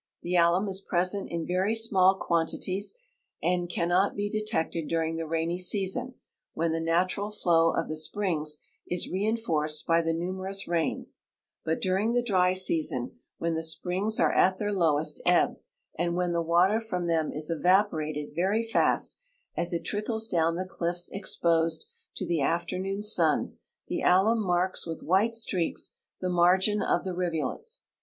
The alum is present in A'ery small quanti ties, and cannot be detected during the rainy season, Avhen the natural floAV of the springs is reinforced by the numerous rains ; but during the diy season, AAdien the springs are at their loAvest ehb and Avhen the Avater from them is evaporated A'^ery fast as it trickles doAvn the cliffs exposed to the afternoon sun, the alum marks AA'ith Avhite streaks the margin of the rivulets.